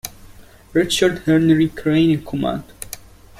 Richard Henry Crane in command.